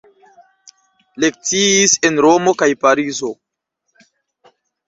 Lekciis en Romo kaj Parizo.